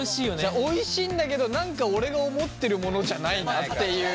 おいしいんだけど何か俺が思ってるものじゃないなっていう。